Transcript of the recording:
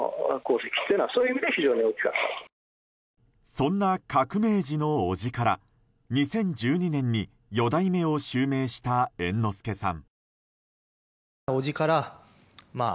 そんな革命児の伯父から２０１２年に四代目を襲名した猿之助さん。